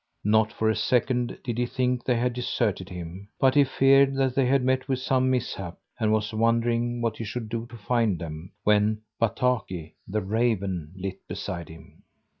Not for a second did he think they had deserted him; but he feared that they had met with some mishap and was wondering what he should do to find them, when Bataki, the raven, lit beside him.